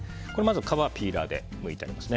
皮をピーラーでむいてあります。